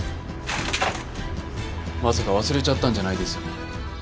まさか忘れちゃったんじゃないですよね？